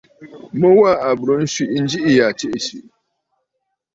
Mu wa à bùrə nswìʼi njiʼì ya tsiʼì swìʼì!